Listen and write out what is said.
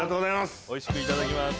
おいしくいただきます。